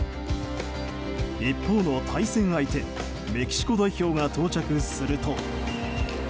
一方の対戦相手メキシコ代表が到着すると。